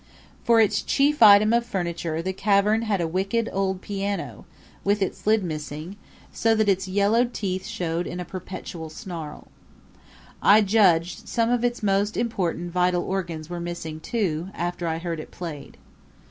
For its chief item of furniture the cavern had a wicked old piano, with its lid missing, so that its yellowed teeth showed in a perpetual snarl. I judged some of its most important vital organs were missing too after I heard it played.